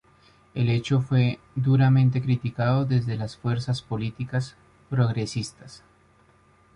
El hecho fue duramente criticado desde las fuerzas políticas progresistas.